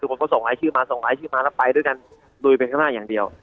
ทุกคนก็ส่งลายชื่อมาส่งลายชื่อมาปลายด้วยกันดูเป็นกันมากอย่างเดียว